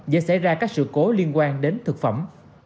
dễ xảy ra các sự cố liên quan đến thực phẩm